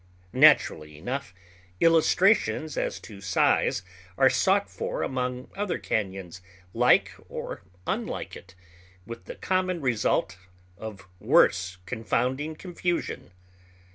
Naturally enough, illustrations as to size are sought for among other cañons like or unlike it, with the common result of worse confounding confusion.